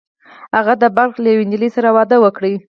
هغه د بلخ له یوې نجلۍ سره واده وکړ